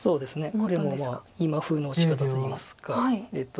これも今風の打ち方といいますか。